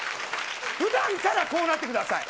ふだんからこうなってください。